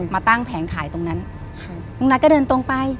มาตั้งแผงขายตรงนั้นครับลุงนัทก็เดินตรงไป